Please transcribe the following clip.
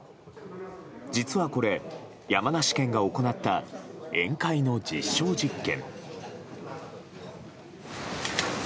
実はこれ、山梨県が行った宴会の実証実験。